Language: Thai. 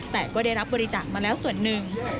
แต่ก็ได้รับบริจาคมาแล้วส่วนหนึ่ง